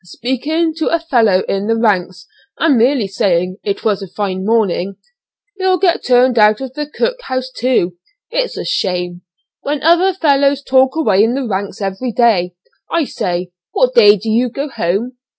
"Speaking to a fellow in the ranks, and merely saying 'It was a fine morning;' he'll get turned out of the cook house, too. It's a shame, when other fellows talk away in the ranks every day. I say, what day do you go home?"